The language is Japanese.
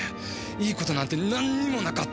いい事なんて何にもなかった。